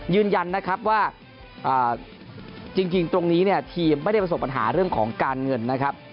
ยืนยันนะครับว่าจริงตรงนี้เนี่ยทีมไม่ได้ประสบปัญหาเรื่องของการเงินนะครับ